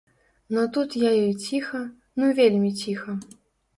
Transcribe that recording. Ну тут я ёй ціха, ну вельмі ціха.